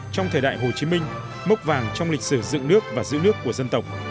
trong thời đại hồ chí minh mốc vàng trong lịch sử dựng nước và giữ nước của dân tộc